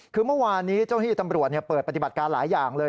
คือเมื่อวานนี้เจ้าที่ตำรวจเปิดปฏิบัติการหลายอย่างเลย